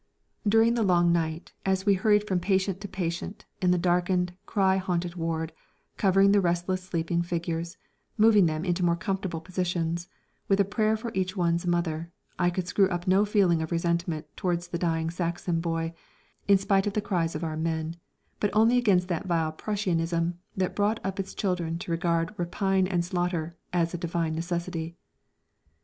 During the long night, as we hurried from patient to patient in the darkened cry haunted ward, covering the restless sleeping figures, moving them into more comfortable positions, with a prayer for each one's mother, I could screw up no feeling of resentment towards the dying Saxon boy, in spite of the cries of our men, but only against that vile Prussianism that brought up its children to regard rapine and slaughter as a divine necessity.